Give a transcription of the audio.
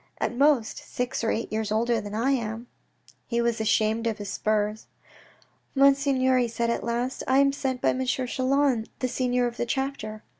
" At most six or eight years older than I am !" He was ashamed of his spurs.' " Monseigneur," he said at last, " I am sent by M. Chelan, the senior of the chapter."